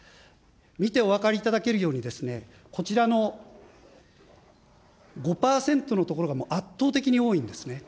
見てお分かりいただけるように、こちらの５％のところがもう圧倒的に多いんですね。